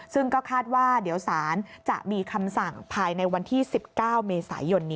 ซึ่งก็คาดว่าเดี๋ยวสารจะมีคำสั่งภายในวันที่๑๙เมษายนนี้